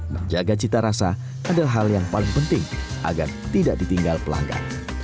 menjaga cita rasa adalah hal yang paling penting agar tidak ditinggal pelanggan